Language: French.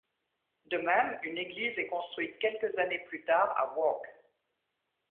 De même une église est construite quelques années plus tard à Walk.